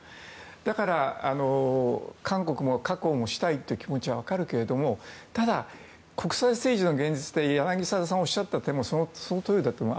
だから、韓国も覚悟をしたいという気持ちも分かるけどもただ、国際政治の現実という柳澤さんがおっしゃった点もそのとおりだと思います。